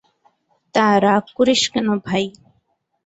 তা, রাগ করিস কেন ভাই?